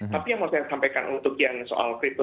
tapi yang mau saya sampaikan untuk yang soal crypto